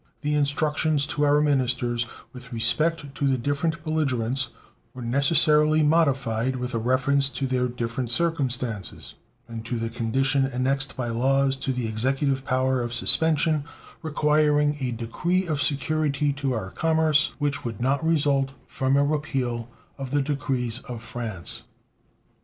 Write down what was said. The instructions to our ministers with respect to the different belligerents were necessarily modified with a reference to their different circumstances, and to the condition annexed by law to the Executive power of suspension, requiring a decree of security to our commerce which would not result from a repeal of the decrees of France.